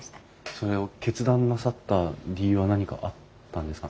それを決断なさった理由は何かあったんですか？